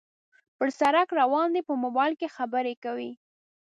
پر سړک روان دى په موبایل خبرې کوي